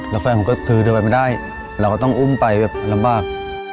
และแฟ่งผมก็ถือได้เราก็ต้องอุ้มไปวิวลำบาก